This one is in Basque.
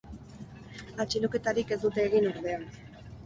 Atxiloketarik ez dute egin, ordea.